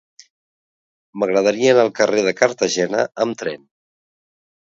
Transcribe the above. M'agradaria anar al carrer de Cartagena amb tren.